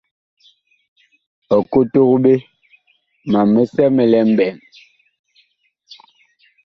Ɔ kotog ɓe ma misɛ mi lɛ mɓɛɛŋ.